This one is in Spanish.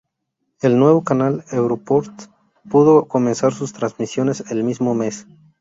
El nuevo canal Eurosport pudo comenzar sus transmisiones el mismo mes.